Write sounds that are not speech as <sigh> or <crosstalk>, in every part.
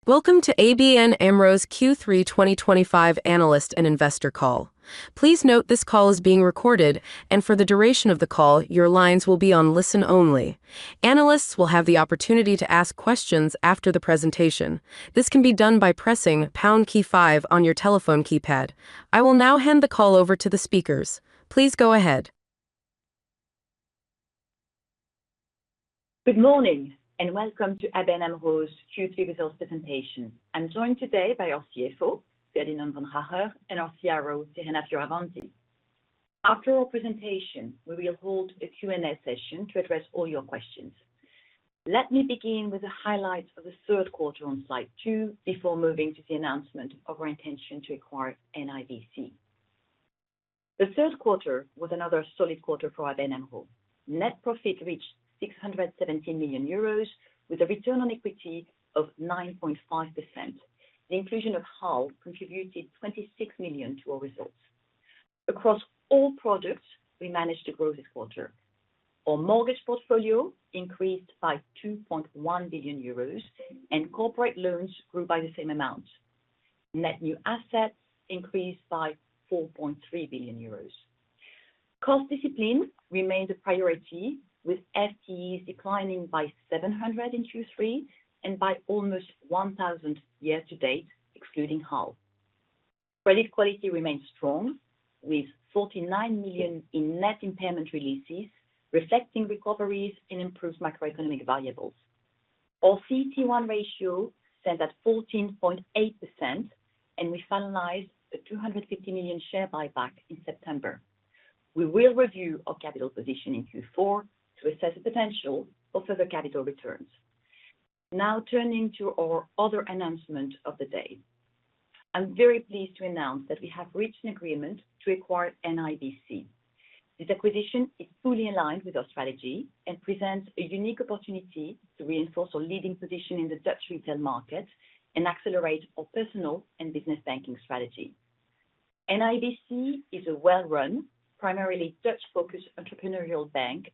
Good morning and welcome to ABN AMRO's Q3 Results Presentation. I'm joined today by our CFO, Ferdinand van der Haar, and our CRO, Serena Fioravanti. After our presentation, we will hold a Q&A session to address all your questions. Let me begin with a highlight of the third quarter on slide two before moving to the announcement of our intention to acquire NIBC. The third quarter was another solid quarter for ABN AMRO. Net profit reached 617 million euros with a return on equity of 9.5%. The inclusion of HAL contributed 26 million to our results. Across all products, we managed to grow this quarter. Our mortgage portfolio increased by 2.1 billion euros, and corporate loans grew by the same amount. Net new assets increased by 4.3 billion euros. Cost discipline remained a priority, with FTEs declining by 700 in Q3 and by almost 1,000 year-to-date, excluding HAL. Credit quality remained strong, with 49 million in net impairment releases reflecting recoveries in improved macroeconomic variables. Our CET1 Ratio stands at 14.8%, and we finalized a 250 million share buyback in September. We will review our capital position in Q4 to assess the potential for further capital returns. Now, turning to our other announcement of the day, I'm very pleased to announce that we have reached an agreement to acquire NIBC. This acquisition is fully aligned with our strategy and presents a unique opportunity to reinforce our leading position in the Dutch retail market and accelerate our personal and business banking strategy. NIBC is a well-run, primarily Dutch-focused entrepreneurial bank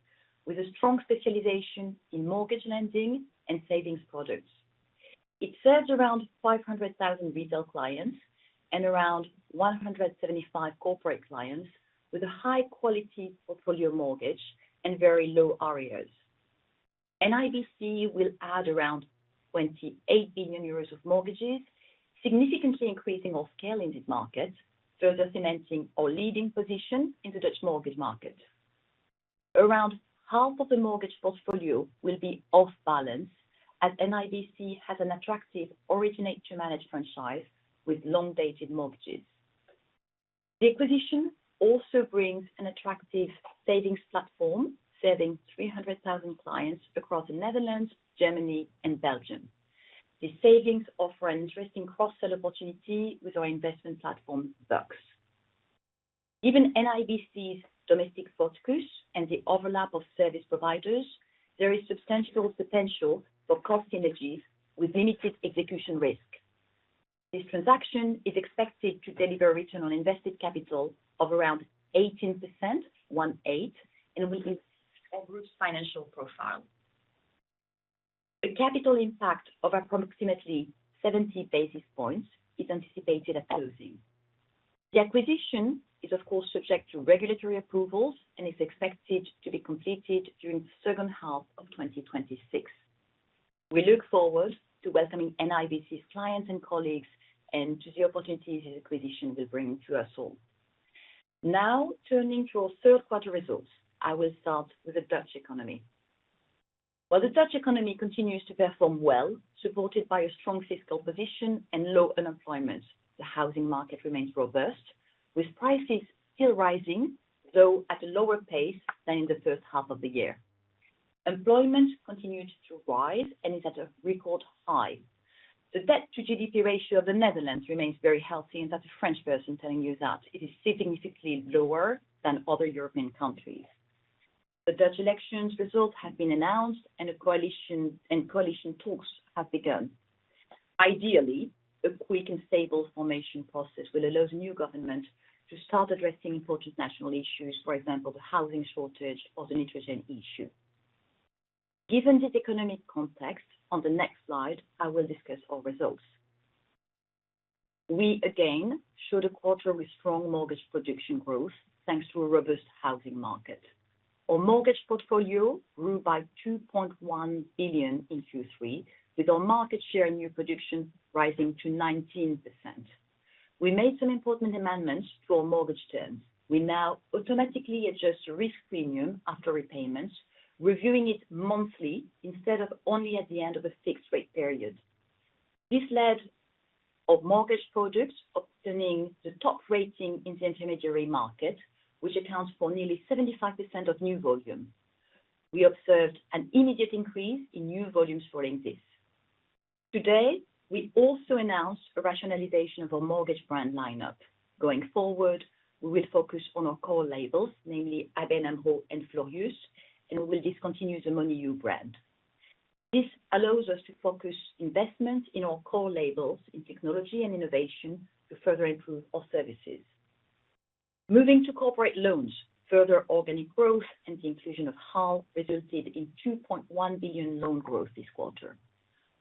with a strong specialization in mortgage lending and savings products. It serves around 500,000 retail clients and around 175 corporate clients with a high-quality portfolio mortgage and very low REOs. NIBC will add around 28 billion euros of mortgages, significantly increasing our scale in this market, further cementing our leading position in the Dutch mortgage market. Around half of the mortgage portfolio will be off-balance as NIBC has an attractive originate-to-manage franchise with long-dated mortgages. The acquisition also brings an attractive savings platform serving 300,000 clients across the Netherlands, Germany, and Belgium. The savings offer an interesting cross-sell opportunity with our investment platform, BERX. Given NIBC's domestic focus and the overlap of service providers, there is substantial potential for cost synergy with limited execution risk. This transaction is expected to deliver a return on invested capital of around 18% 1/8th and will improve our group's financial profile. The capital impact of approximately 70 basis points is anticipated at closing. The acquisition is, of course, subject to regulatory approvals and is expected to be completed during the second half of 2026. We look forward to welcoming NIBC's clients and colleagues and to the opportunities this acquisition will bring to us all. Now, turning to our third quarter results, I will start with the Dutch economy. While the Dutch economy continues to perform well, supported by a strong fiscal position and low unemployment, the housing market remains robust, with prices still rising, though at a lower pace than in the first half of the year. Employment continued to rise and is at a record high. The debt-to-GDP ratio of the Netherlands remains very healthy, and that's a French person telling you that it is significantly lower than other European countries. The Dutch election results have been announced, and coalition talks have begun. Ideally, a quick and stable formation process will allow the new government to start addressing important national issues, for example, the housing shortage or the nitrogen issue. Given this economic context, on the next slide, I will discuss our results. We, again, showed a quarter with strong mortgage production growth thanks to a robust housing market. Our mortgage portfolio grew by 2.1 billion in Q3, with our market share in new production rising to 19%. We made some important amendments to our mortgage terms. We now automatically adjust the risk premium after repayments, reviewing it monthly instead of only at the end of a fixed-rate period. This led our mortgage product to obtain the top rating in the intermediary market, which accounts for nearly 75% of new volume. We observed an immediate increase in new volumes following this. Today, we also announced a rationalization of our mortgage brand lineup. Going forward, we will focus on our core labels, namely ABN AMRO and Florius, and we will discontinue the Moneyou brand. This allows us to focus investment in our core labels in technology and innovation to further improve our services. Moving to corporate loans, further organic growth and the inclusion of HAL resulted in 2.1 billion loan growth this quarter.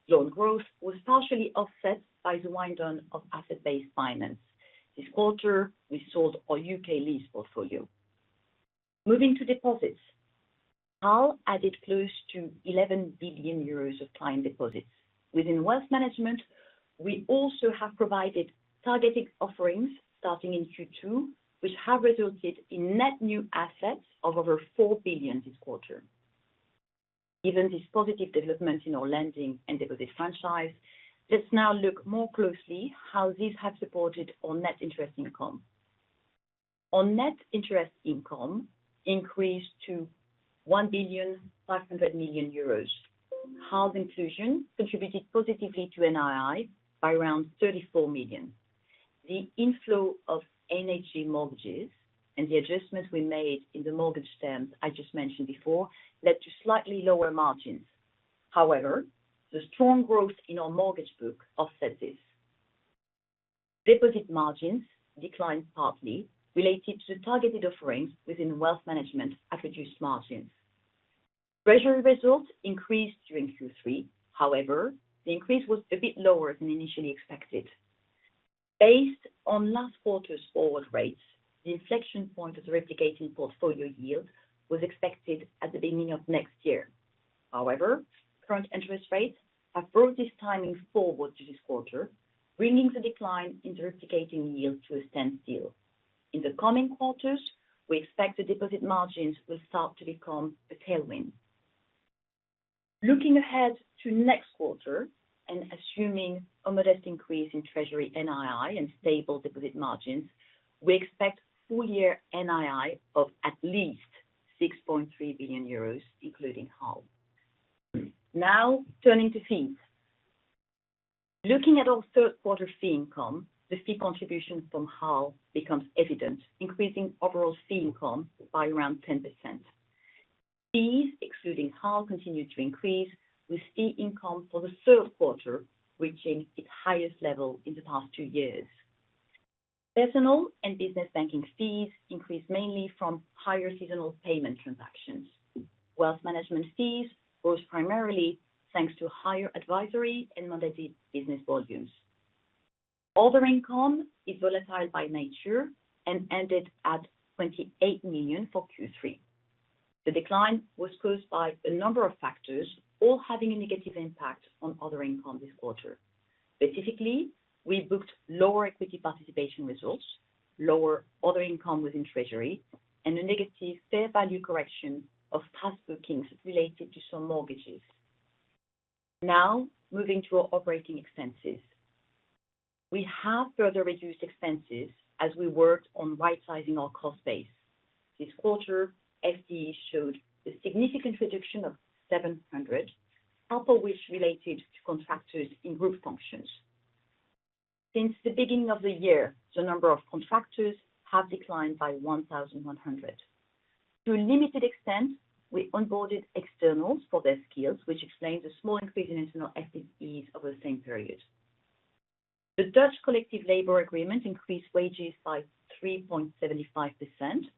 Loan growth was partially offset by the wind down of asset-based finance. This quarter, we sold our U.K. lease portfolio. Moving to deposits, HAL added close to 11 billion euros of client deposits. Within wealth management, we also have provided targeted offerings starting in Q2, which have resulted in net new assets of over 4 billion this quarter. Given this positive development in our lending and deposit franchise, let's now look more closely at how these have supported our net interest income. Our net interest income increased to 1.5 billion. HAL's inclusion contributed positively to NII by around 34 million. The inflow of NHG Mortgages and the adjustments we made in the mortgage terms I just mentioned before led to slightly lower margins. However, the strong growth in our mortgage book offset this. Deposit margins declined partly, related to targeted offerings within wealth management at reduced margins. Treasury results increased during Q3. However, the increase was a bit lower than initially expected. Based on last quarter's forward rates, the inflection point of the replicating portfolio yield was expected at the beginning of next year. However, current interest rates have brought this timing forward to this quarter, bringing the decline in the replicating yield to a standstill. In the coming quarters, we expect the deposit margins will start to become a tailwind. Looking ahead to next quarter and assuming a modest increase in Treasury NII and stable deposit margins, we expect full-year NII of at least 6.3 billion euros, including HAL. Now, turning to fees. Looking at our third quarter fee income, the fee contribution from HAL becomes evident, increasing overall fee income by around 10%. Fees, excluding HAL, continue to increase, with fee income for the third quarter reaching its highest level in the past two years. Personal and business banking fees increase mainly from higher seasonal payment transactions. Wealth management fees rose primarily thanks to higher advisory and mandated business volumes. Order income is volatile by nature and ended at 28 million for Q3. The decline was caused by a number of factors, all having a negative impact on order income this quarter. Specifically, we booked lower equity participation results, lower order income within Treasury, and a negative fair value correction of past bookings related to some mortgages. Now, moving to our operating expenses. We have further reduced expenses as we worked on right-sizing our cost base. This quarter, FTEs showed a significant reduction of 700, half of which related to contractors in group functions. Since the beginning of the year, the number of contractors has declined by 1,100. To a limited extent, we onboarded externals for their skills, which explains the small increase in internal FTEs over the same period. The Dutch collective labor agreement increased wages by 3.75%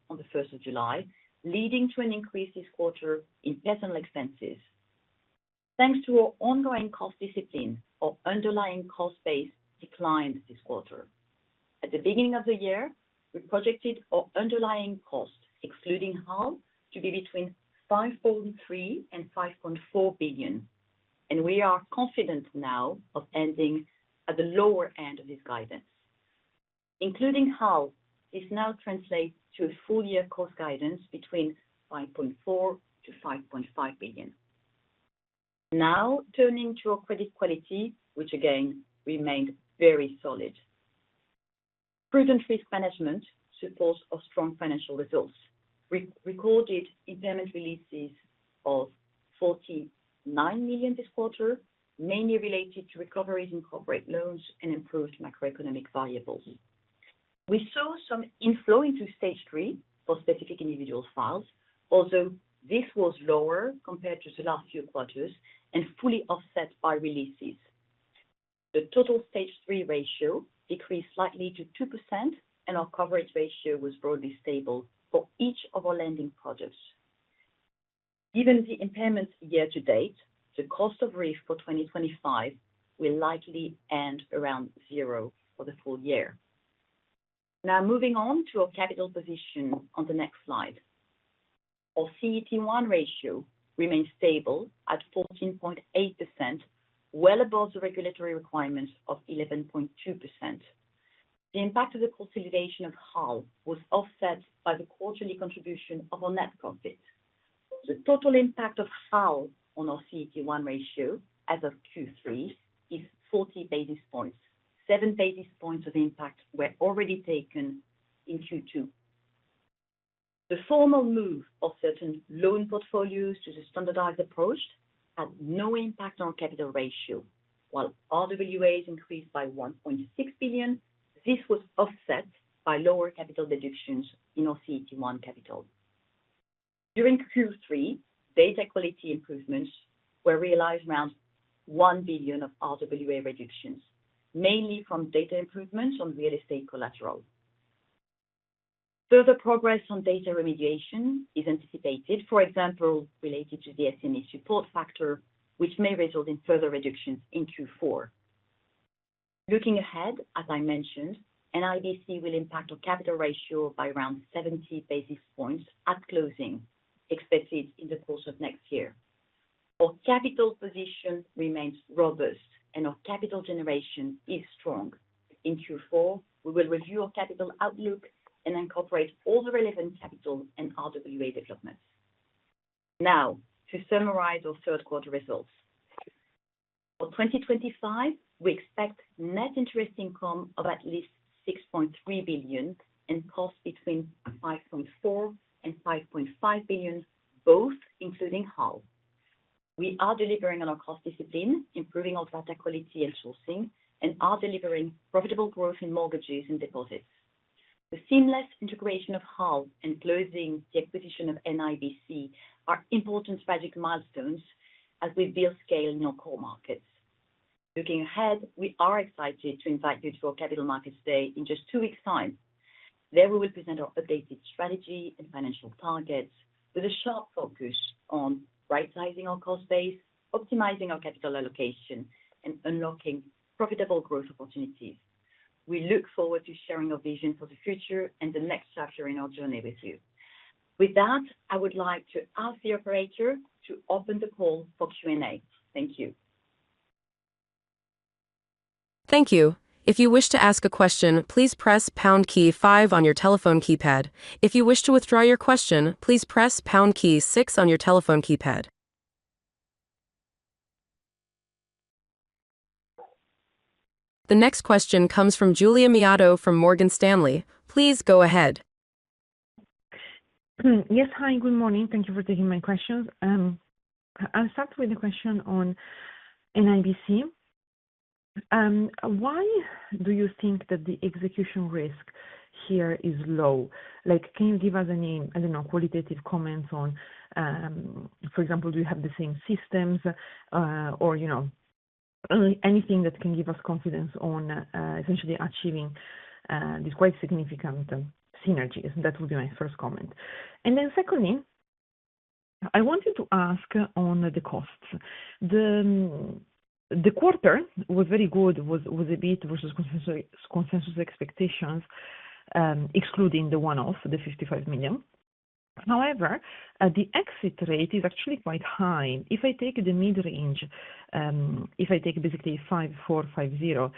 on the 1st of July, leading to an increase this quarter in personnel expenses. Thanks to our ongoing cost discipline, our underlying cost base declined this quarter. At the beginning of the year, we projected our underlying cost, excluding HAL, to be between 5.3 billion-5.4 billion, and we are confident now of ending at the lower end of this guidance. Including HAL, this now translates to a full-year cost guidance between 5.4 billion-5.5 billion. Now, turning to our credit quality, which, again, remained very solid. Prudent risk management supports our strong financial results. We recorded impairment releases of 49 million this quarter, mainly related to recoveries in corporate loans and improved macroeconomic variables. We saw some inflow into stage three for specific individual files, although this was lower compared to the last few quarters and fully offset by releases. The total stage three ratio decreased slightly to 2%, and our coverage ratio was broadly stable for each of our lending products. Given the impairment year to date, the cost of risk for 2025 will likely end around zero for the full year. Now, moving on to our capital position on the next slide. Our CET1 ratio remains stable at 14.8%, well above the regulatory requirement of 11.2%. The impact of the consolidation of HAL was offset by the quarterly contribution of our net profit. The total impact of HAL on our CET1 ratio as of Q3 is 40 basis points. Seven basis points of impact were already taken in Q2. The formal move of certain loan portfolios to the standardized approach had no impact on our capital ratio. While RWAs increased by 1.6 billion, this was offset by lower capital deductions in our CET1 capital. During Q3, data quality improvements were realized around 1 billion of RWA reductions, mainly from data improvements on real estate collateral. Further progress on data remediation is anticipated, for example, related to the SME support factor, which may result in further reductions in Q4. Looking ahead, as I mentioned, NIBC will impact our capital ratio by around 70 basis points at closing, expected in the course of next year. Our capital position remains robust, and our capital generation is strong. In Q4, we will review our capital outlook and incorporate all the relevant capital and RWA developments. Now, to summarize our third quarter results. For 2025, we expect net interest income of at least 6.3 billion and costs between 5.4 billion-5.5 billion, both including HAL. We are delivering on our cost discipline, improving our data quality and sourcing, and are delivering profitable growth in mortgages and deposits. The seamless integration of HAL and closing the acquisition of NIBC are important strategic milestones as we build scale in our core markets. Looking ahead, we are excited to invite you to our capital markets day in just two weeks' time. There, we will present our updated strategy and financial targets with a sharp focus on right-sizing our cost base, optimizing our capital allocation, and unlocking profitable growth opportunities. We look forward to sharing our vision for the future and the next chapter in our journey with you. With that, I would like to ask the operator to open the call for Q&A. Thank you. Thank you. If you wish to ask a question, please press pound key five on your telephone keypad. If you wish to withdraw your question, please press pound key six on your telephone keypad. The next question comes from Gulia Miotto from Morgan Stanley. Please go ahead. Yes, hi, good morning. Thank you for taking my questions. I'll start with a question on NIBC. Why do you think that the execution risk here is low? Can you give us any, I don't know, qualitative comments on, for example, do you have the same systems or anything that can give us confidence on essentially achieving these quite significant synergies? That would be my first comment. Then secondly, I wanted to ask on the costs. The quarter was very good, was a bit versus consensus expectations, excluding the one-off, the 55 million. However, the exit rate is actually quite high. If I take the mid-range, if I take basically 5.4, 5.0,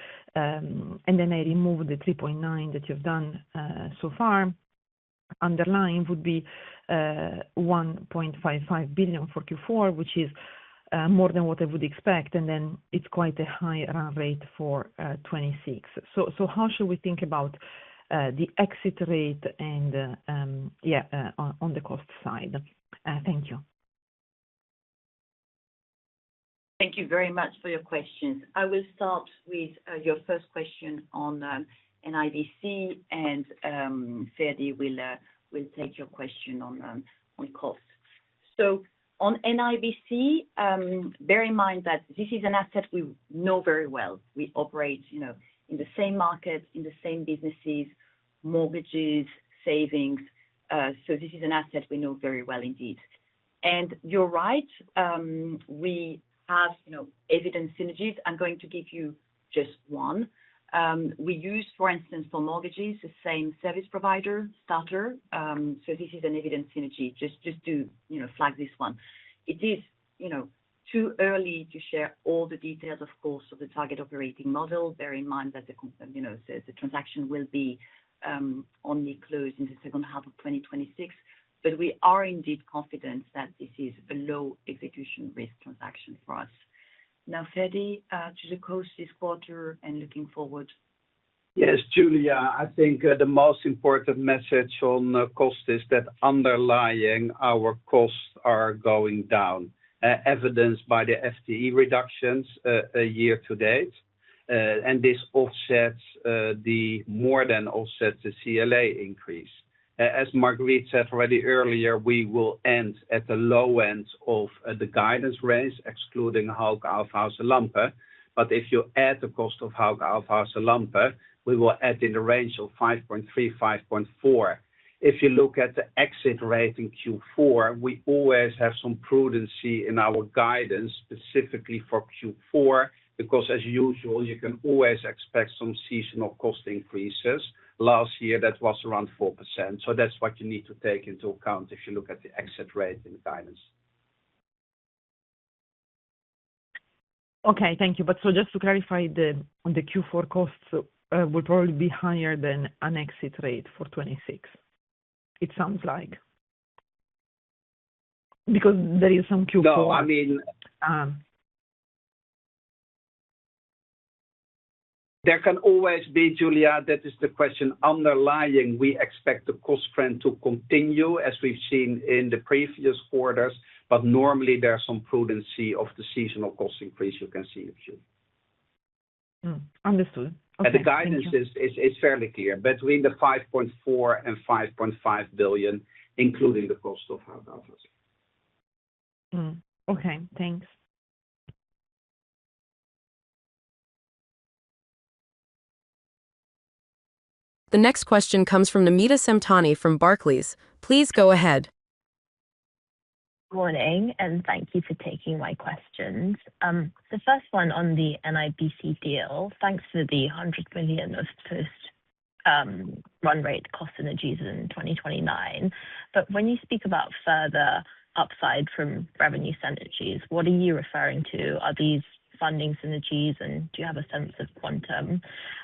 and then I remove the 3.9 that you've done so far, underlying would be 1.55 billion for Q4, which is more than what I would expect, and then it's quite a high run rate for 2026. How should we think about the exit rate and, yeah, on the cost side? Thank you. Thank you very much for your questions. I will start with your first question on NIBC, and Ferdy will take your question on cost. On NIBC, bear in mind that this is an asset we know very well. We operate in the same market, in the same businesses, mortgages, savings. This is an asset we know very well indeed. You're right, we have evident synergies. I'm going to give you just one. We use, for instance, for mortgages, the same service provider, Starter. This is an evident synergy. Just to flag this one. It is too early to share all the details, of course, of the target operating model. Bear in mind that the transaction will be only closed in the second half of 2026, but we are indeed confident that this is a low execution risk transaction for us. Now, Ferdy, to the cost this quarter and looking forward. Yes, Julia, I think the most important message on cost is that underlying our costs are going down, evidenced by the FTE reductions year-to-date, and this offsets the more-than-offset CLA increase. As Marguerite said already earlier, we will end at the low end of the guidance range, excluding Hauck Aufhäuser Lampe. If you add the cost of Hauck Aufhäuser Lampe, we will add in the range of 5.3 billion-5.4 billion. If you look at the exit rate in Q4, we always have some prudency in our guidance specifically for Q4 because, as usual, you can always expect some seasonal cost increases. Last year, that was around 4%. That is what you need to take into account if you look at the exit rate and guidance. Okay, thank you. Just to clarify, the Q4 costs will probably be higher than an exit rate for 2026, it sounds like, because there is some Q4. No, I mean. There can always be, Julia, that is the question. Underlying, we expect the cost trend to continue as we've seen in the previous quarters, but normally there's some prudency of the seasonal cost increase you can see in Q. Understood. Okay. And the guidance is fairly clear, between the 5.4 billion and 5.5 billion, including the cost of Hauck Aufhäuser Lampe. Okay, thanks. The next question comes from Namita Samptani from Barclays. Please go ahead. Good morning, and thank you for taking my questions. The first one on the NIBC deal, thanks for the 100 million of first run rate cost synergies in 2029. But when you speak about further upside from revenue synergies, what are you referring to? Are these funding synergies, and do you have a sense of quantum?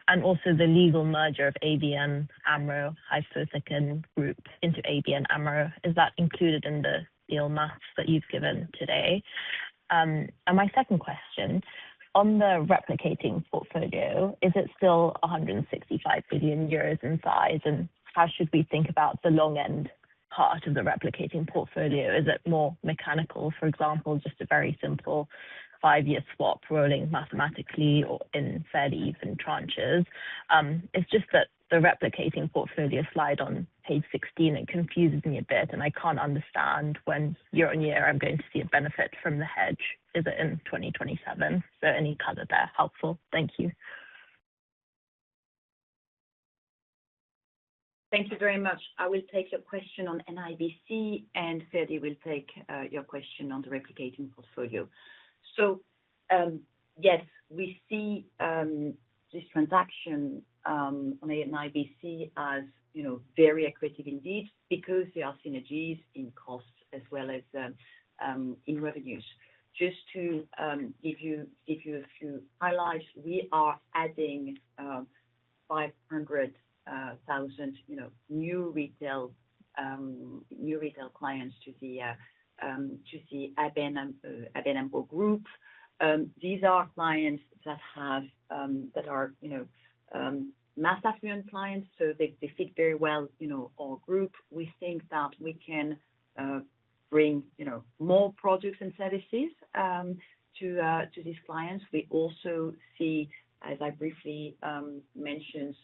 And also the legal merger of ABN AMRO, Hypotheken Groep, into ABN AMRO. Is that included in the deal maths that you've given today? My second question, on the replicating portfolio, is it still 165 billion euros in size, and how should we think about the long-end part of the replicating portfolio? Is it more mechanical, for example, just a very simple five-year swap rolling mathematically or in fairly even tranches? It's just that the replicating portfolio slide on page 16, it confuses me a bit, and I can't understand when year on year I'm going to see a benefit from the hedge. Is it in 2027? Is there any color there? Helpful. Thank you. Thank you very much. I will take your question on NIBC, and Ferdy will take your question on the replicating portfolio. Yes, we see this transaction on NIBC as very accurate indeed because there are synergies in costs as well as in revenues. Just to give you a few highlights, we are adding 500,000 new retail clients to the ABN AMRO Group. These are clients that are mass affluent clients, so they fit very well our group. We think that we can bring more products and services to these clients. We also see, as I briefly mentioned,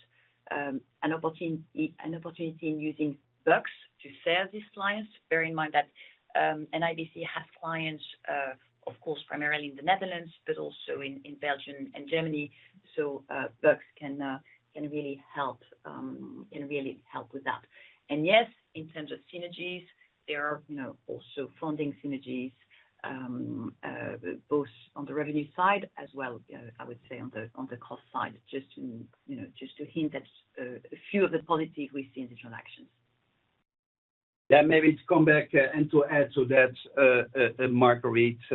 an opportunity in using BUX to serve these clients. Bear in mind that NIBC has clients, of course, primarily in the Netherlands, but also in Belgium and Germany, so BUX can really help with that. Yes, in terms of synergies, there are also funding synergies, both on the revenue side as well, I would say, on the cost side, just to hint at a few of the positives we see in these transactions. Yeah, maybe to come back and to add to that, Marguerite,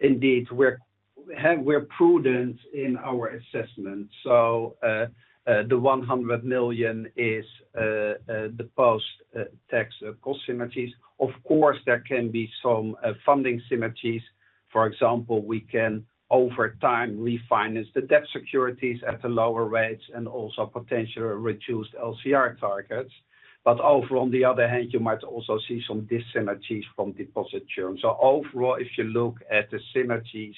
indeed, we're prudent in our assessment. The 100 million is the post-tax cost synergies. Of course, there can be some funding synergies. For example, we can, over time, refinance the debt securities at a lower rate and also potentially reduce the LCR targets. Overall, on the other hand, you might also see some disynergies from deposit churn. Overall, if you look at the synergies,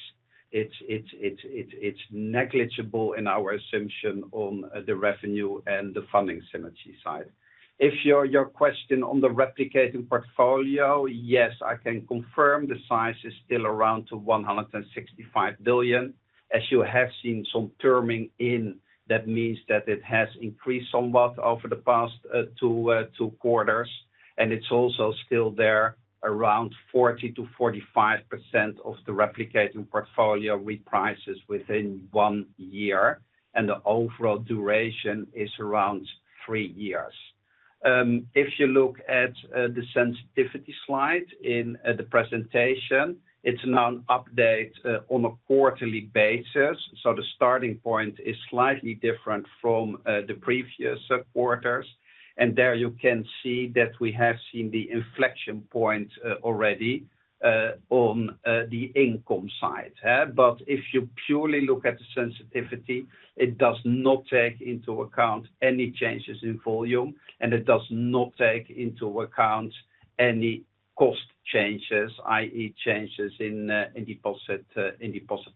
it is negligible in our assumption on the revenue and the funding synergy side. If your question on the replicating portfolio, yes, I can confirm the size is still around 165 billion. As you have seen some turning in, that means that it has increased somewhat over the past two quarters. It is also still there, around 40%-45% of the replicating portfolio reprices within one year. The overall duration is around three years. If you look at the sensitivity slide in the presentation, it's an update on a quarterly basis. The starting point is slightly different from the previous quarters. There you can see that we have seen the inflection point already on the income side. If you purely look at the sensitivity, it does not take into account any changes in volume, and it does not take into account any cost changes, i.e., changes in deposit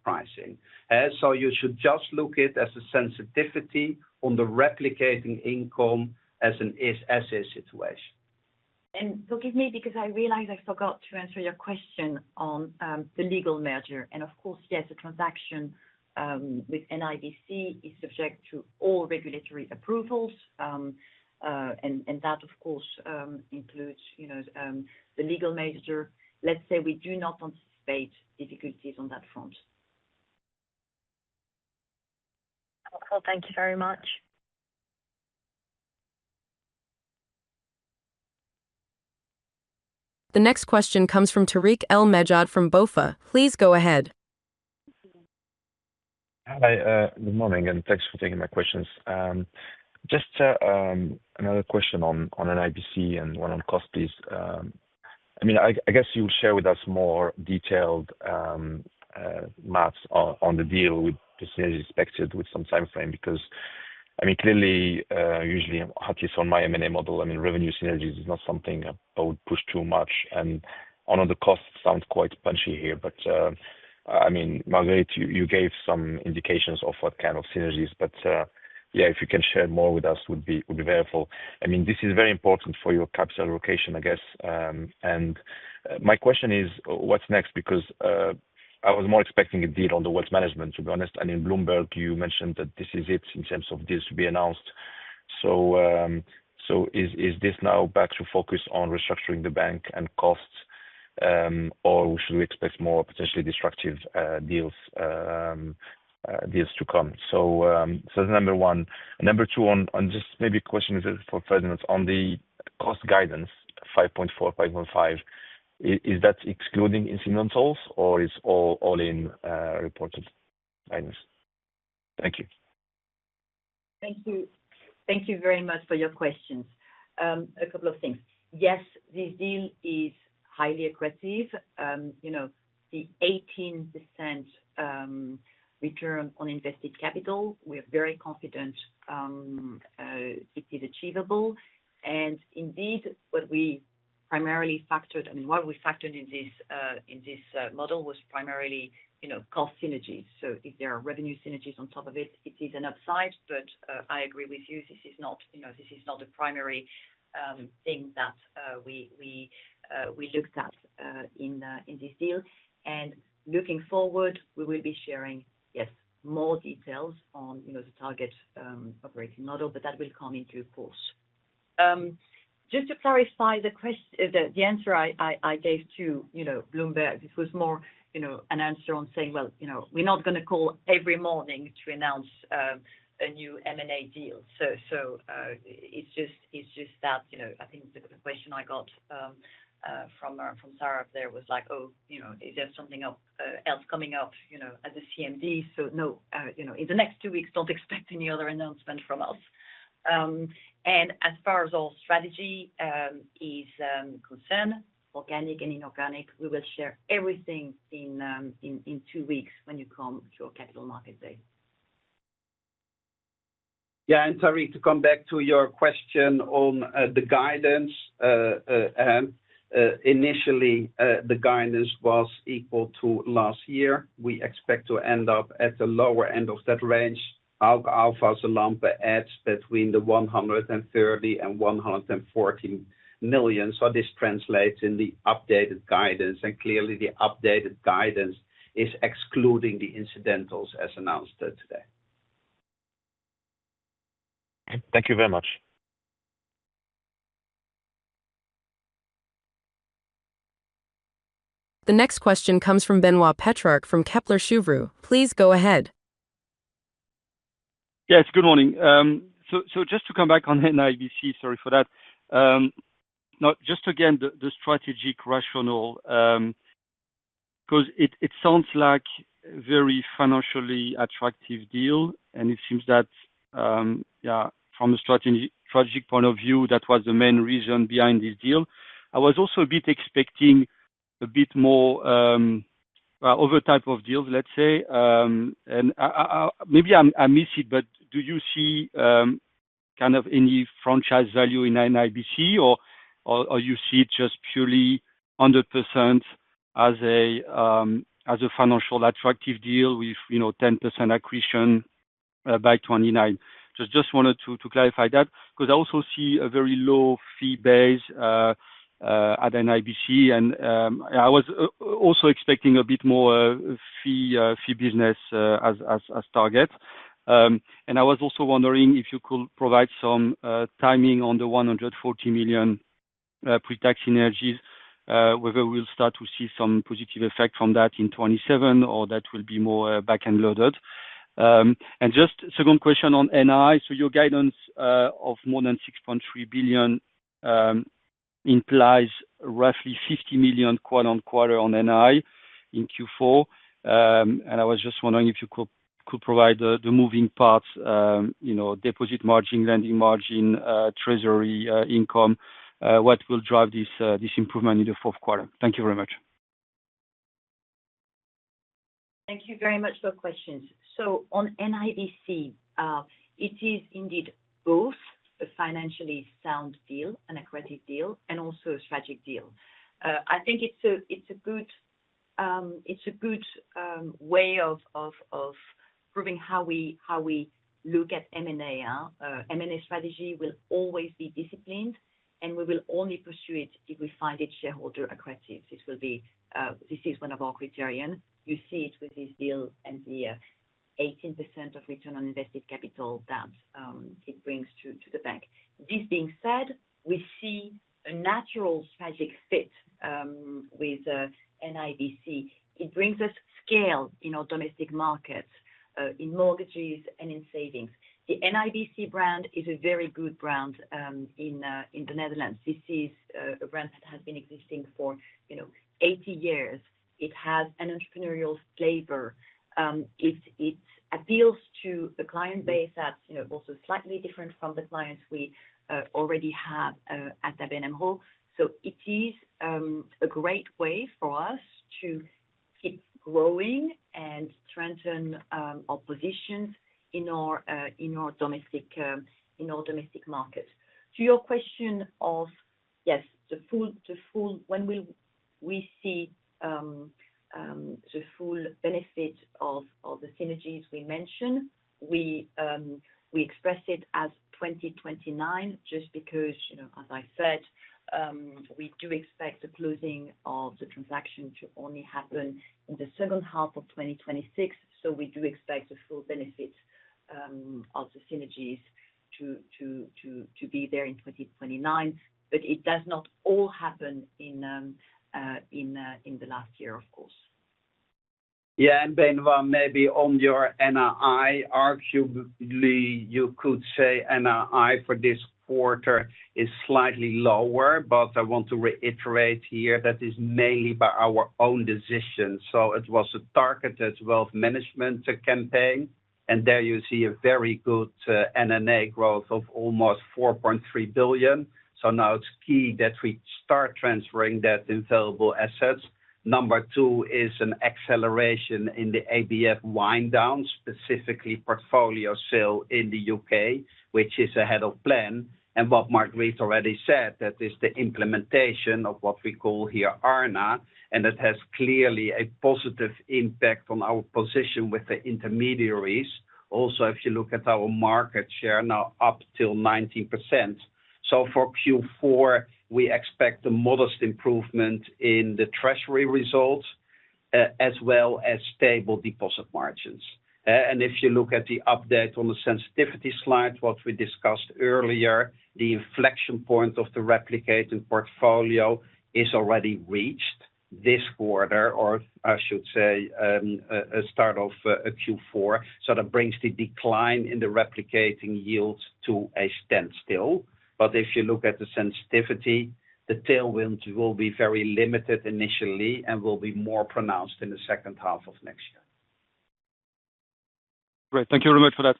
pricing. You should just look at it as a sensitivity on the replicating income as an SA situation. Forgive me because I realize I forgot to answer your question on the legal merger. Of course, yes, the transaction with NIBC is subject to all regulatory approvals, and that, of course, includes the legal merger. Let's say we do not anticipate difficulties on that front. Thank you very much. The next question comes from Tarik El Mejjad from BofA. Please go ahead. Hi, good morning, and thanks for taking my questions. Just another question on NIBC and one on cost, please. I mean, I guess you'll share with us more detailed maths on the deal with the synergy expected with some time frame because, I mean, clearly, usually, at least on my M&A model, I mean, revenue synergies is not something I would push too much. I know the costs sound quite punchy here, but I mean, Marguerite, you gave some indications of what kind of synergies, but yeah, if you can share more with us, would be very helpful. I mean, this is very important for your capital allocation, I guess. My question is, what's next? I was more expecting a deal on the wealth management, to be honest. In Bloomberg, you mentioned that this is it in terms of deals to be announced. Is this now back to focus on restructuring the bank and costs, or should we expect more potentially disruptive deals to come? That is number one. Number two, just maybe a question for Ferdinand on the cost guidance, 5.4-5.5, is that excluding incidentals, or is all in reported guidance? Thank you. Thank you. Thank you very much for your questions. A couple of things. Yes, this deal is highly accurate. The 18% return on invested capital, we are very confident it is achievable. Indeed, what we primarily factored and what we factored in this model was primarily cost synergies. If there are revenue synergies on top of it, it is an upside. I agree with you, this is not the primary thing that we looked at in this deal. Looking forward, we will be sharing, yes, more details on the target operating model, but that will come in due course. Just to clarify the answer I gave to Bloomberg, this was more an answer on saying, we're not going to call every morning to announce a new M&A deal. I think the question I got from Sarah up there was like, oh, is there something else coming up at the CMD? No, in the next two weeks, do not expect any other announcement from us. As far as our strategy is concerned, organic and inorganic, we will share everything in two weeks when you come to our capital market day. Yeah. Tarik, to come back to your question on the guidance, initially, the guidance was equal to last year. We expect to end up at the lower end of that range. Hauck Aufhäuser Lampe adds between 130 million and 140 million. This translates in the updated guidance. Clearly, the updated guidance is excluding the incidentals as announced today. Thank you very much. The next question comes from Benoit Petrark from Kepler Cheuvreux. Please go ahead. Yes, good morning. Just to come back on NIBC, sorry for that. Just again, the strategic rationale, because it sounds like a very financially attractive deal, and it seems that, yeah, from a strategic point of view, that was the main reason behind this deal. I was also a bit expecting a bit more of a type of deal, let's say. Maybe I miss it, but do you see kind of any franchise value in NIBC, or do you see it just purely 100% as a financial attractive deal with 10% accretion by 2029? Just wanted to clarify that because I also see a very low fee base at NIBC. I was also expecting a bit more fee business as target. I was also wondering if you could provide some timing on the 140 million pre-tax synergies, whether we'll start to see some positive effect from that in 2027, or that will be more back-end loaded. Just second question on NII. Your guidance of more than 6.3 billion implies roughly 50 million quarter-on-quarter on NII in Q4. I was just wondering if you could provide the moving parts, deposit margin, lending margin, treasury income, what will drive this improvement in the fourth quarter? Thank you very much. Thank you very much for your questions. On NIBC, it is indeed both a financially sound deal, an accurate deal, and also a strategic deal. I think it's a good way of proving how we look at M&A. M&A strategy will always be disciplined, and we will only pursue it if we find it shareholder accretive. This is one of our criteria. You see it with this deal and the 18% of return on invested capital that it brings to the bank. This being said, we see a natural strategic fit with NIBC. It brings us scale in our domestic markets, in mortgages and in savings. The NIBC brand is a very good brand in the Netherlands. This is a brand that has been existing for 80 years. It has an entrepreneurial flavor. It appeals to a client base that's also slightly different from the clients we already have at ABN AMRO. It is a great way for us to keep growing and strengthen our positions in our domestic market. To your question of, yes, when will we see the full benefit of the synergies we mentioned, we express it as 2029 just because, as I said, we do expect the closing of the transaction to only happen in the second half of 2026. We do expect the full benefit of the synergies to be there in 2029. It does not all happen in the last year, of course. Yeah. Benoit, maybe on your NRI, arguably you could say NRI for this quarter is slightly lower, but I want to reiterate here that is mainly by our own decision. It was a targeted wealth management campaign, and there you see a very good M&A growth of almost 4.3 billion. Now it is key that we start transferring that in valuable assets. Number two is an acceleration in the ABF wind-down, specifically portfolio sale in the U.K., which is ahead of plan. What Marguerite already said, that is the implementation of what we call here ARNA, and it has clearly a positive impact on our position with the intermediaries. Also, if you look at our market share now up till 19%. For Q4, we expect the modest improvement in the treasury results as well as stable deposit margins. If you look at the update on the sensitivity slide, what we discussed earlier, the inflection point of the replicating portfolio is already reached this quarter, or I should say start of Q4. That brings the decline in the replicating yields to a standstill. If you look at the sensitivity, the tailwinds will be very limited initially and will be more pronounced in the second half of next year. Great. Thank you very much for that.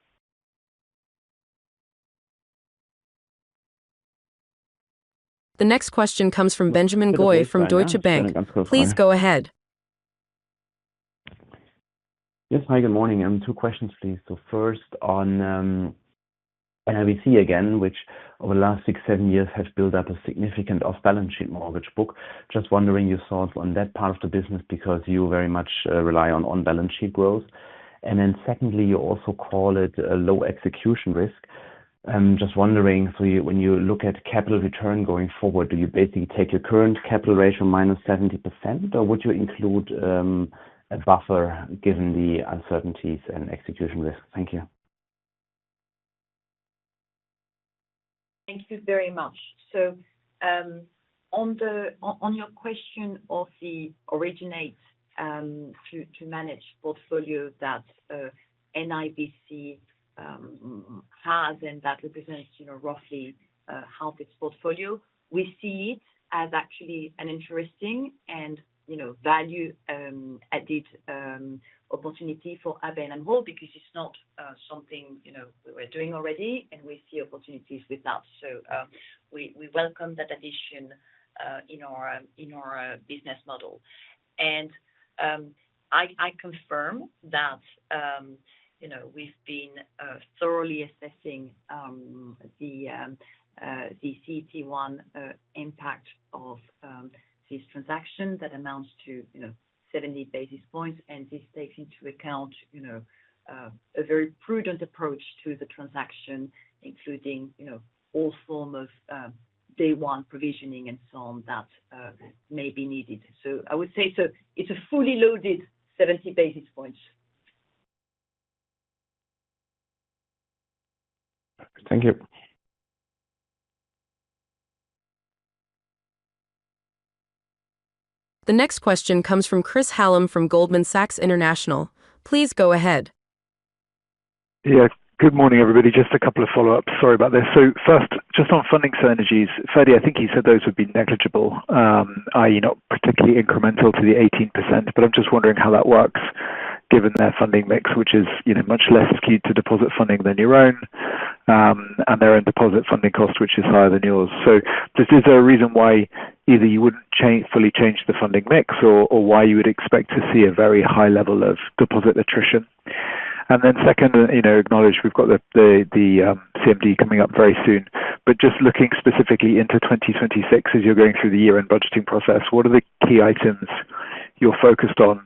The next question comes from Benjamin Goey from Deutsche Bank. Please go ahead. Yes. Hi, good morning. Two questions, please. First on NIBC again, which over the last six-seven years has built up a significant off-balance sheet mortgage book. Just wondering your thoughts on that part of the business because you very much rely on on-balance sheet growth. Secondly, you also call it low execution risk. Just wondering, when you look at capital return going forward, do you basically take your current capital ratio -70%, or would you include a buffer given the uncertainties and execution risk? Thank you. Thank you very much. Thank you very much. On your question of the originate to manage portfolio that NIBC has and that represents roughly half its portfolio, we see it as actually an interesting and value-added opportunity for ABN AMRO because it's not something we're doing already, and we see opportunities with that. We welcome that addition in our business model. I confirm that we've been thoroughly assessing the CET1 impact of this transaction that amounts to 70 basis points, and this takes into account a very prudent approach to the transaction, including all forms of day one provisioning and so on that may be needed. I would say it's a fully loaded 70 basis points. Thank you. The next question comes from Chris Hallam from Goldman Sachs International. Please go ahead. Yeah. Good morning, everybody. Just a couple of follow-ups. Sorry about this. First, just on funding synergies, Ferdy, I think you said those would be negligible, i.e., not particularly incremental to the 18%, but I'm just wondering how that works given their funding mix, which is much less skewed to deposit funding than your own, and their own deposit funding cost, which is higher than yours. Is there a reason why either you wouldn't fully change the funding mix or why you would expect to see a very high level of deposit attrition? Second, acknowledge we've got the CMD coming up very soon, but just looking specifically into 2026 as you're going through the year-end budgeting process, what are the key items you're focused on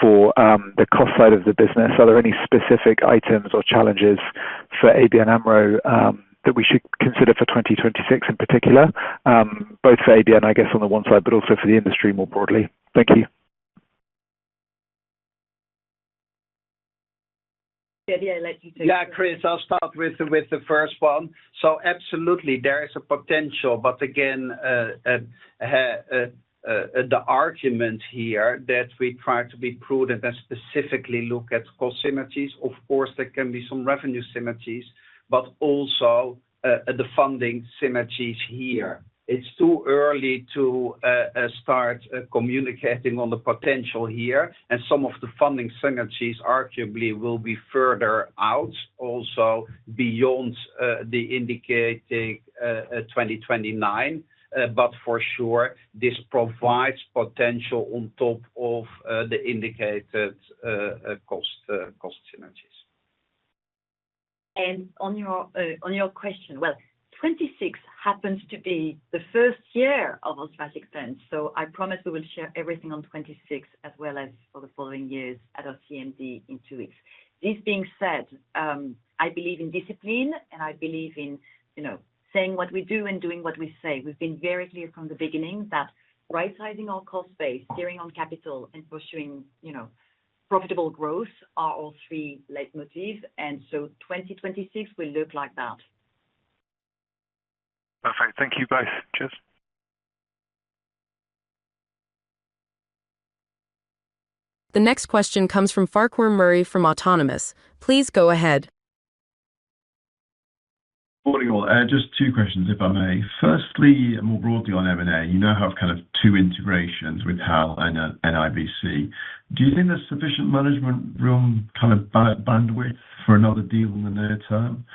for the cost side of the business? Are there any specific items or challenges for ABN AMRO that we should consider for 2026 in particular, both for ABN, I guess, on the one side, but also for the industry more broadly? Thank you. Yeah. Let you take it. <audio distortion> Yeah. Chris, I'll start with the first one. Absolutely, there is a potential, but again, the argument here that we try to be prudent and specifically look at cost synergies. Of course, there can be some revenue synergies, but also the funding synergies here. It's too early to start communicating on the potential here, and some of the funding synergies arguably will be further out, also beyond the indicated 2029. For sure, this provides potential on top of the indicated cost synergies. On your question, 2026 happens to be the first year of our strategic plans. I promise we will share everything on 2026 as well as for the following years at our CMD in two weeks. This being said, I believe in discipline, and I believe in saying what we do and doing what we say. We've been very clear from the beginning that right-sizing our cost base, steering on capital, and pursuing profitable growth are our three leitmotifs. 2026 will look like that. Perfect. Thank you both. The next question comes from Farquhar Murray from Autonomous. Please go ahead. Good morning, all. Just two questions, if I may. Firstly, more broadly on M&A, you now have kind of two integrations with HAL and NIBC. Do you think there's sufficient management room, kind of bandwidth, for another deal in the near term?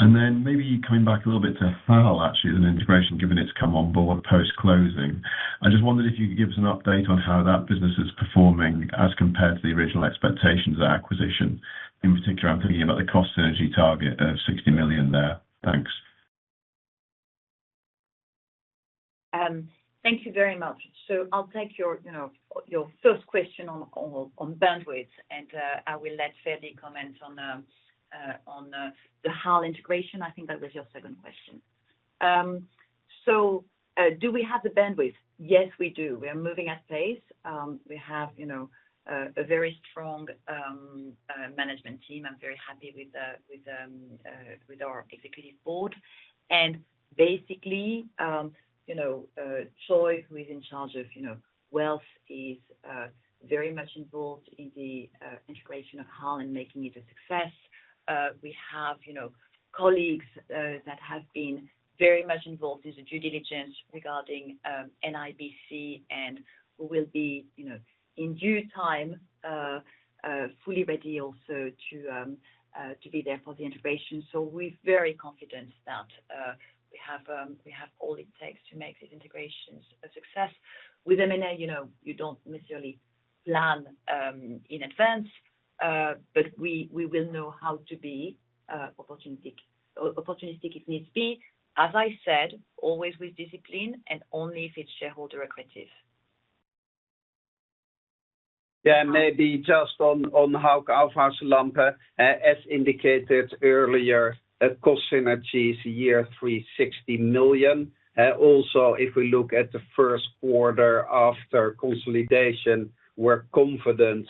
Maybe coming back a little bit to HAL, actually, as an integration, given it's come on board post-closing. I just wondered if you could give us an update on how that business is performing as compared to the original expectations of acquisition. In particular, I'm thinking about the cost synergy target of 60 million there. Thanks. Thank you very much. I'll take your first question on bandwidth, and I will let Ferdy comment on the HAL integration. I think that was your second question. Do we have the bandwidth? Yes, we do. We are moving at pace. We have a very strong management team. I'm very happy with our Executive Board. Basically, Troy, who is in charge of wealth, is very much involved in the integration of HAL and making it a success. We have colleagues that have been very much involved in the due diligence regarding NIBC, and we will be, in due time, fully ready also to be there for the integration. We are very confident that we have all it takes to make these integrations a success. With M&A, you do not necessarily plan in advance, but we will know how to be opportunistic if needs be. As I said, always with discipline and only if it is shareholder accretive. Yeah. Maybe just on how our first lump, as indicated earlier, cost synergy is year 3, 60 million. Also, if we look at the first quarter after consolidation, we are confident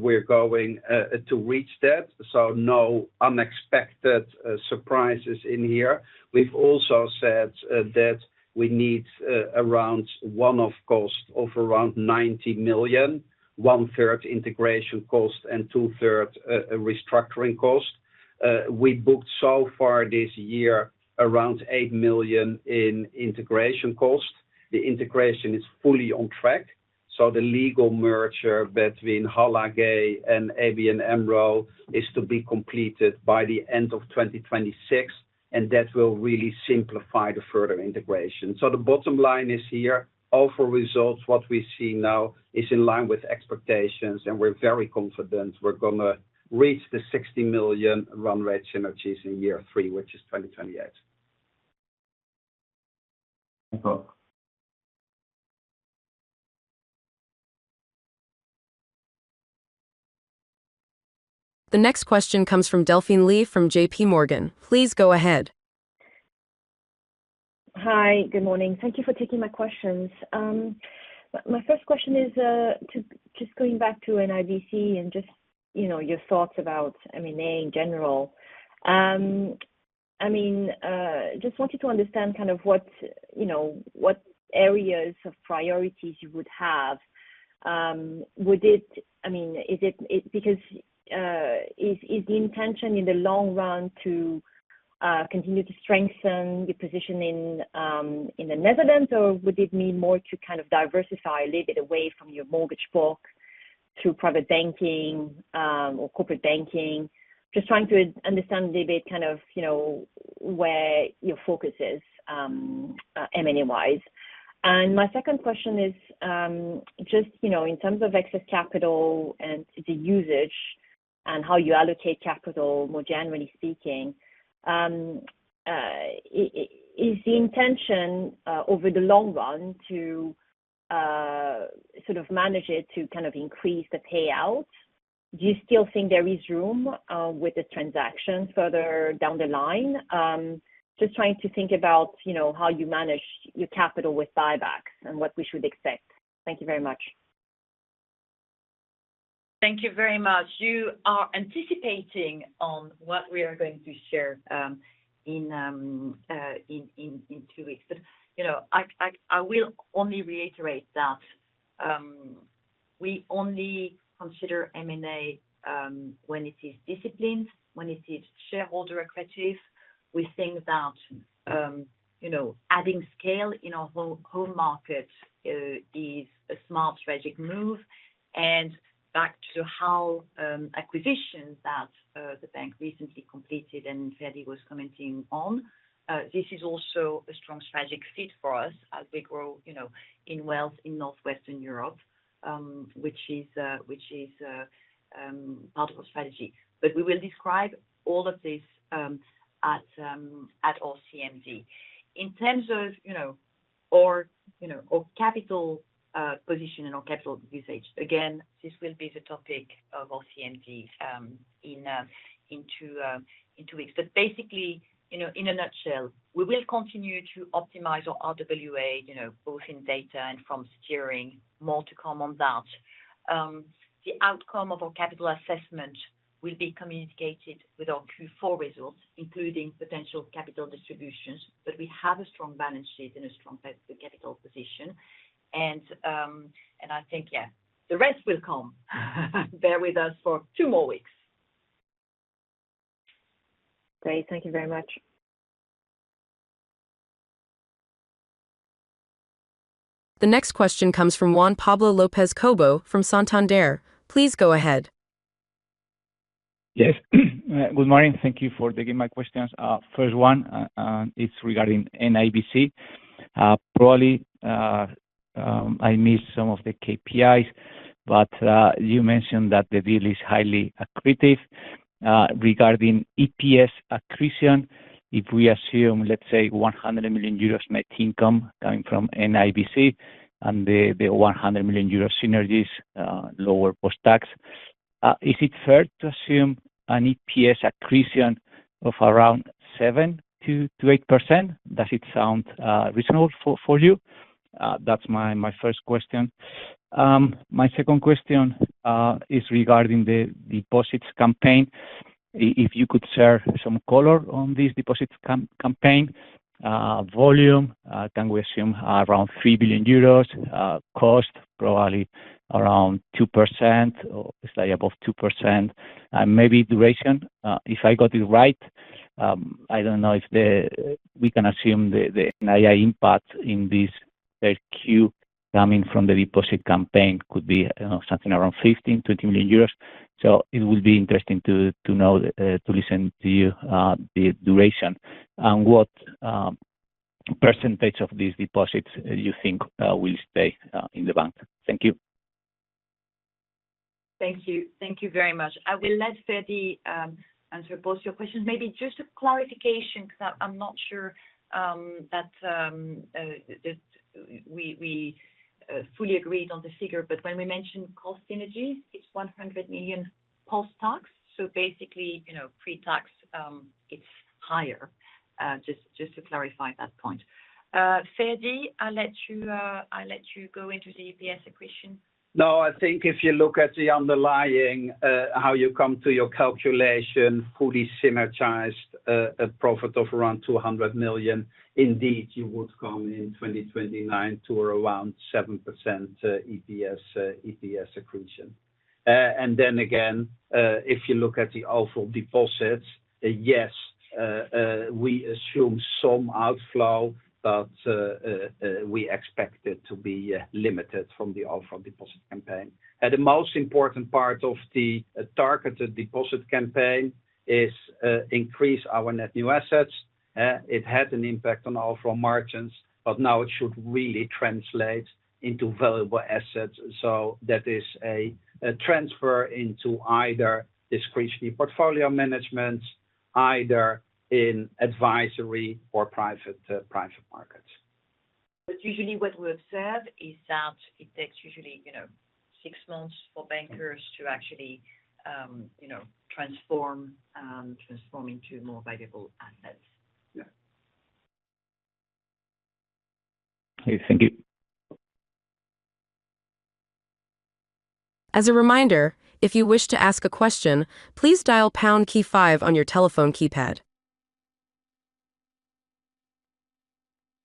we are going to reach that. No unexpected surprises in here. We have also said that we need around one-off cost of around 90 million, one-third integration cost and two-thirds restructuring cost. We booked so far this year around 8 million in integration cost. The integration is fully on track. The legal merger between HAL Investments and ABN AMRO is to be completed by the end of 2026, and that will really simplify the further integration. The bottom line is here, offer results, what we see now is in line with expectations, and we're very confident we're going to reach the 60 million run rate synergies in year three, which is 2028. Thank you. The next question comes from Delphine Lee from JP Morgan. Please go ahead. Hi. Good morning. Thank you for taking my questions. My first question is just going back to NIBC and just your thoughts about M&A in general. I mean, just wanted to understand kind of what areas of priorities you would have. I mean, is it because is the intention in the long run to continue to strengthen your position in the Netherlands, or would it mean more to kind of diversify a little bit away from your mortgage book through private banking or corporate banking? Just trying to understand a little bit kind of where your focus is M&A-wise. My second question is just in terms of excess capital and the usage and how you allocate capital, more generally speaking, is the intention over the long run to sort of manage it to kind of increase the payout? Do you still think there is room with the transaction further down the line? Just trying to think about how you manage your capital with buybacks and what we should expect. Thank you very much. You are anticipating on what we are going to share in two weeks. I will only reiterate that we only consider M&A when it is disciplined, when it is shareholder accredited. We think that adding scale in our home market is a smart strategic move. Back to the HAL acquisition that the bank recently completed and Ferdy was commenting on, this is also a strong strategic fit for us as we grow in wealth in Northwestern Europe, which is part of our strategy. We will describe all of this at our CMD. In terms of our capital position and our capital usage, again, this will be the topic of our CMD in two weeks. Basically, in a nutshell, we will continue to optimize our RWA, both in data and from steering. More to come on that. The outcome of our capital assessment will be communicated with our Q4 results, including potential capital distributions. We have a strong balance sheet and a strong capital position. I think, yeah, the rest will come. Bear with us for two more weeks. Great. Thank you very much. The next question comes from Juan Pablo Lopez Cobo from Santander. Please go ahead. Yes. Good morning. Thank you for taking my questions. First one, it's regarding NIBC. Probably I missed some of the KPIs, but you mentioned that the deal is highly accretive regarding EPS accretion. If we assume, let's say, 100 million euros net income coming from NIBC and the 100 million euros synergies, lower post-tax, is it fair to assume an EPS accretion of around 7%-8%? Does it sound reasonable for you? That's my first question. My second question is regarding the deposits campaign. If you could share some color on this deposits campaign, volume, can we assume around 3 billion euros? Cost, probably around 2% or slightly above 2%. Maybe duration, if I got it right, I do not know if we can assume the NII impact in this third Q coming from the deposit campaign could be something around EUR 15 million-EUR 20 million. It would be interesting to know, to listen to you, the duration and what percentage of these deposits you think will stay in the bank. Thank you. Thank you. Thank you very much. I will let Ferdy answer both your questions. Maybe just a clarification because I am not sure that we fully agreed on the figure, but when we mentioned cost synergies, it is 100 million post-tax. Basically, pre-tax, it is higher. Just to clarify that point. Ferdy, I will let you go into the EPS equation. No, I think if you look at the underlying, how you come to your calculation, fully synergized profit of around 200 million, indeed, you would come in 2029 to around 7% EPS accretion. If you look at the offered deposits, yes, we assume some outflow, but we expect it to be limited from the offered deposit campaign. The most important part of the targeted deposit campaign is increase our net new assets. It had an impact on our margins, but now it should really translate into valuable assets. That is a transfer into either discretionary portfolio management, either in advisory or private markets. Usually what we observe is that it takes usually six months for bankers to actually transform into more valuable assets. Yeah. Okay. Thank you. As a reminder, if you wish to ask a question, please dial pound key five on your telephone keypad.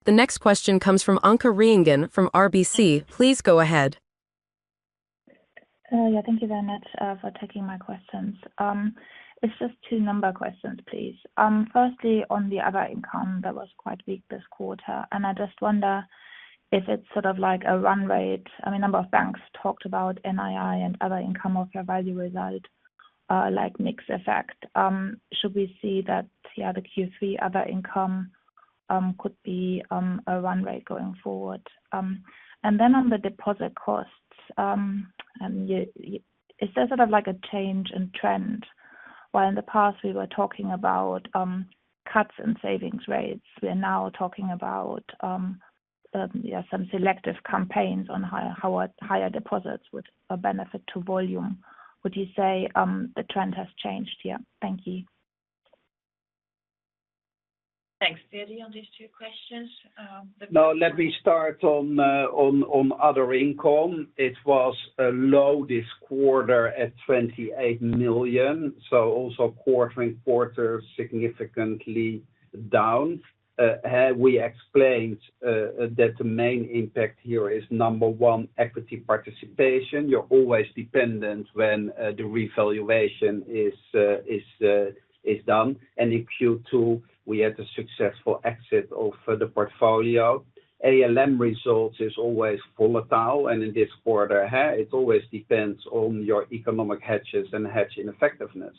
The next question comes from Anke Reingen from RBC. Please go ahead. Yeah. Thank you very much for taking my questions. It's just two number questions, please. Firstly, on the other income that was quite weak this quarter, and I just wonder if it's sort of like a run rate. I mean, a number of banks talked about NII and other income of their value result are like mixed effect. Should we see that, yeah, the Q3 other income could be a run rate going forward? And then on the deposit costs, is there sort of like a change in trend? While in the past, we were talking about cuts in savings rates, we are now talking about, yeah, some selective campaigns on how higher deposits would benefit to volume. Would you say the trend has changed here? Thank you. Thanks, Ferdy, on these two questions. No, let me start on other income. It was low this quarter at 28 million. Also, quarter-on-quarter, significantly down. We explained that the main impact here is, number one, equity participation. You're always dependent when the revaluation is done. In Q2, we had a successful exit of the portfolio. ALM results are always volatile, and in this quarter, it always depends on your economic hedges and hedge ineffectiveness.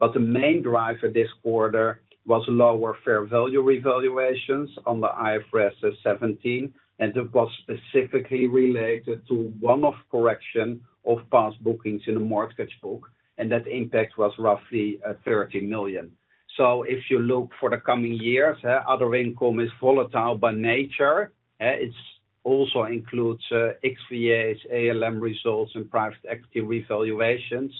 The main driver this quarter was lower fair value revaluations on IFRS 17, and it was specifically related to a one-off correction of past bookings in the mortgage book, and that impact was roughly 30 million. If you look for the coming years, other income is volatile by nature. It also includes XVAs, ALM results, and private equity revaluations.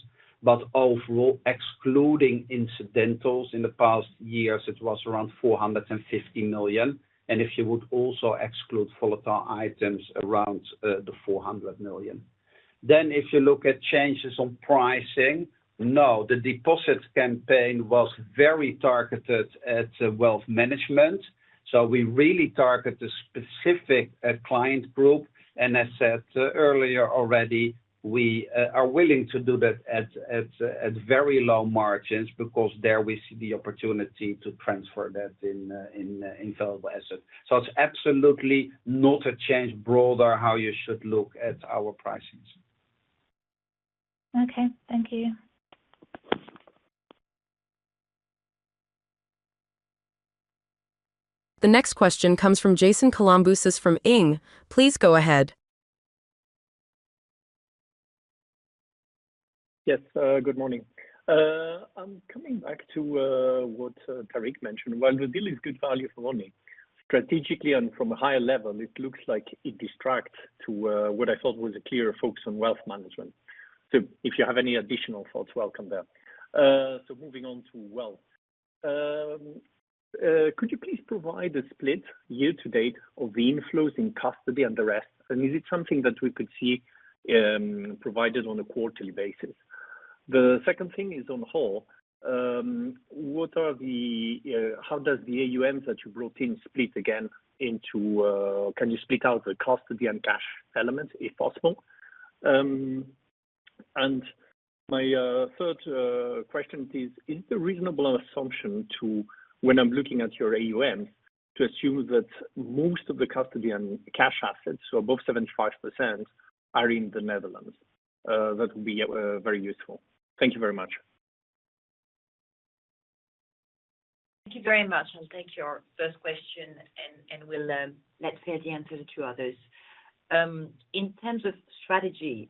Overall, excluding incidentals in the past years, it was around 450 million. If you would also exclude volatile items, around 400 million. If you look at changes on pricing, no, the deposit campaign was very targeted at wealth management. We really target the specific client group. As said earlier already, we are willing to do that at very low margins because there we see the opportunity to transfer that in valuable assets. It is absolutely not a change broader how you should look at our pricings. Okay. Thank you. The next question comes from Jason Kalamboussis from ING. Please go ahead. Yes. Good morning. I am coming back to what Tariq mentioned. While the deal is good value for money, strategically and from a higher level, it looks like it distracts to what I thought was a clear focus on wealth management. If you have any additional thoughts, welcome there. Moving on to wealth. Could you please provide a split year-to-date of the inflows in custody and the rest? Is it something that we could see provided on a quarterly basis? The second thing is on HAL, how does the AUMs that you brought in split again into, can you split out the custody and cash elements if possible? My third question is, is it a reasonable assumption when I'm looking at your AUMs to assume that most of the custody and cash assets, so above 75%, are in the Netherlands? That would be very useful. Thank you very much. Thank you very much. I'll take your first question, and we'll let Ferdy answer the two others. In terms of strategy,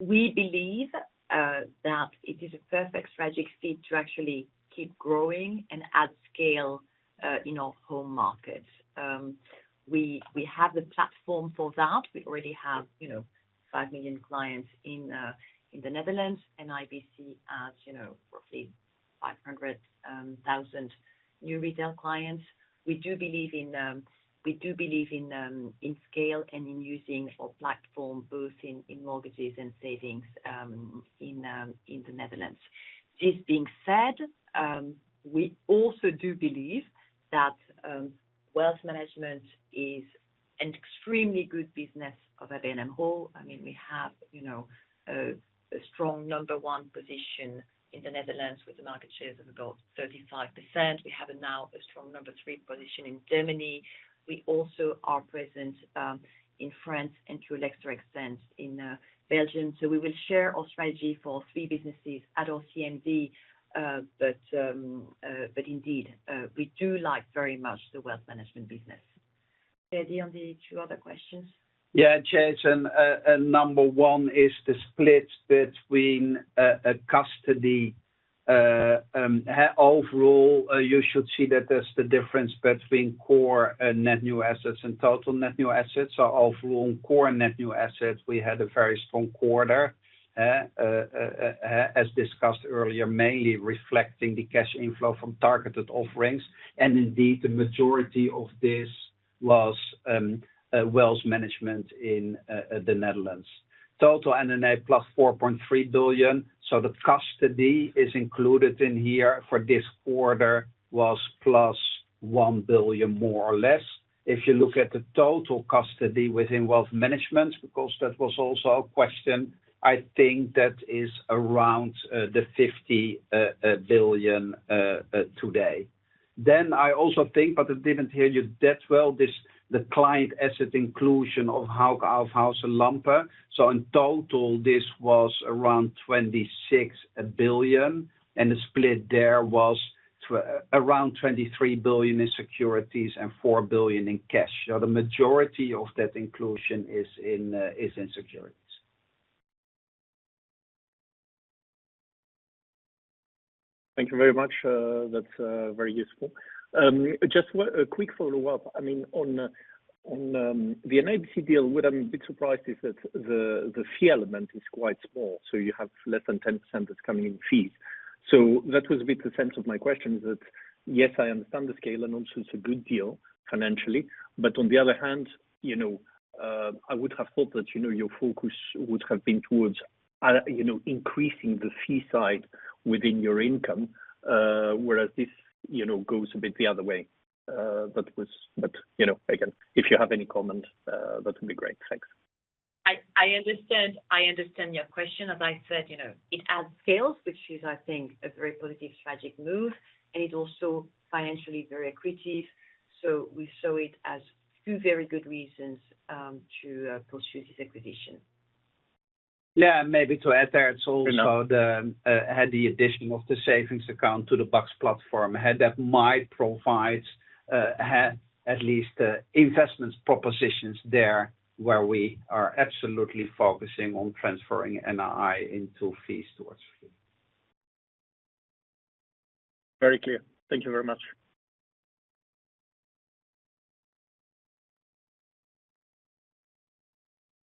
we believe that it is a perfect strategic fit to actually keep growing and add scale in our home market. We have the platform for that. We already have 5 million clients in the Netherlands. NIBC has roughly 500,000 new retail clients. We do believe in scale and in using our platform both in mortgages and savings in the Netherlands. This being said, we also do believe that wealth management is an extremely good business of ABN AMRO. I mean, we have a strong number one position in the Netherlands with a market share of about 35%. We have now a strong number three position in Germany. We also are present in France and to a lesser extent in Belgium. We will share our strategy for three businesses at our CMD. Indeed, we do like very much the wealth management business. Ferdy, on the two other questions? Yeah. Jason, number one is the split between custody. Overall, you should see that there is the difference between core net new assets and total net new assets. Overall, core net new assets, we had a very strong quarter, as discussed earlier, mainly reflecting the cash inflow from targeted offerings. Indeed, the majority of this was wealth management in the Netherlands. Total NNA+ 4.3 billion. The custody included in here for this quarter was +1 billion, more or less. If you look at the total custody within wealth management, because that was also a question, I think that is around the 50 billion today. I also think, but I did not hear you that well, the client asset inclusion of Hauck Aufhäuser Lampe. In total, this was around 26 billion. The split there was around 23 billion in securities and 4 billion in cash. The majority of that inclusion is in securities. Thank you very much. That is very useful. Just a quick follow-up. I mean, on the NIBC deal, what I am a bit surprised is that the fee element is quite small. You have less than 10% that is coming in fees. That was a bit the sense of my question, is that yes, I understand the scale, and also it is a good deal financially. On the other hand, I would have thought that your focus would have been towards increasing the fee side within your income, whereas this goes a bit the other way. Again, if you have any comments, that would be great. Thanks. I understand your question. As I said, it adds scale, which is, I think, a very positive strategic move. It is also financially very accretive. We saw it as two very good reasons to pursue this acquisition. Yeah. Maybe to add there, it also had the addition of the savings account to the BUX platform. That might provide at least investment propositions there where we are absolutely focusing on transferring NII into fees towards fees. Very clear. Thank you very much.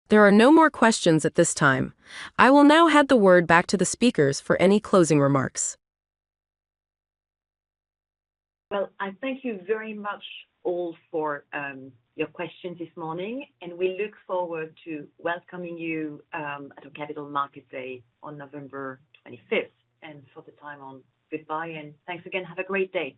There are no more questions at this time. I will now hand the word back to the speakers for any closing remarks. I thank you very much all for your questions this morning. We look forward to welcoming you at Capital Markets Day on November 25th. For the time on, goodbye. Thanks again. Have a great day.